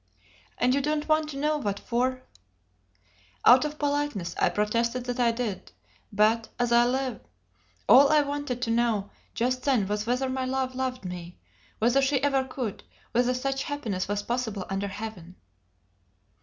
"And you don't want to know what for?" Out of politeness I protested that I did; but, as I live, all I wanted to know just then was whether my love loved me whether she ever could whether such happiness was possible under heaven!